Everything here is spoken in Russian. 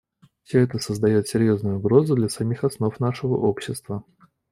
Все это создает серьезную угрозу для самих основ нашего общества.